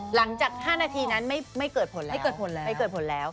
หลังจาก๕นาทีนั้นไม่เกิดผลแล้ว